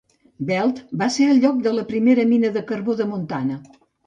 Belt va ser el lloc de la primera mina de carbó de Montana.